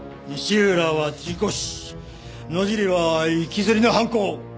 西浦は事故死野尻は行きずりの犯行。